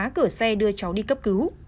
phá cửa xe đưa cháu đi cấp cứu